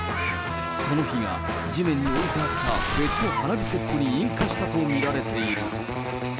その火が地面に置いてあった別の花火セットに引火したと見られている。